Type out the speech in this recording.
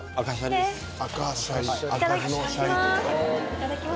いただきます。